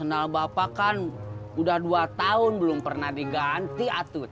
kang kalau udah dua tamah udah waktunya diganti